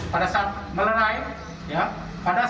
pada saat melarai korban terjatuh